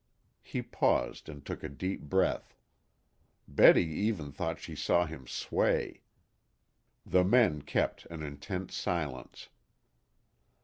He paused and took a deep breath. Betty even thought she saw him sway. The men kept an intense silence.